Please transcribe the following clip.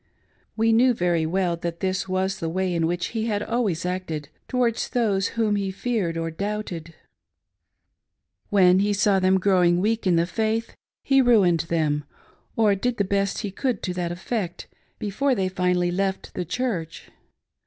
We knew very well that this was the way in which he had always acted towards those whbiin he feared or doubted : pulliKg up root and branch. 553 p^hen he saw them growing wssak in the faifh be ruined them, or did the best he could to that effect, before they finally left the Church.